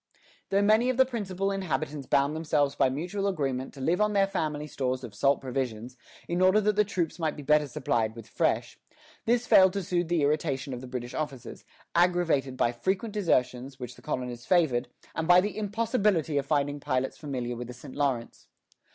Though many of the principal inhabitants bound themselves by mutual agreement to live on their family stores of salt provisions, in order that the troops might be better supplied with fresh, this failed to soothe the irritation of the British officers, aggravated by frequent desertions, which the colonists favored, and by the impossibility of finding pilots familiar with the St. Lawrence.